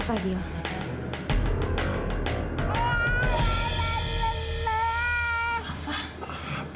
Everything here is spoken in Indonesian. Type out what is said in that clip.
kak fadil enggak